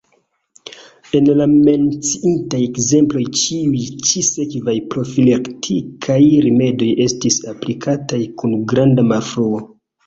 En la menciitaj ekzemploj ĉiuj ĉi-sekvaj profilaktikaj rimedoj estis aplikataj kun granda malfruo.